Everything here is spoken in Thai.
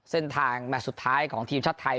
เส้นทางแมตซ์สุดท้ายของทีมชาติไทย